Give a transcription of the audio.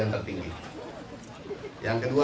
menteri amran sulaiman berkata